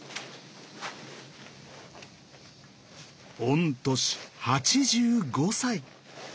御年８５歳。